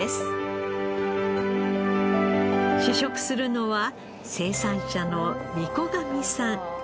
試食するのは生産者の御子神さん。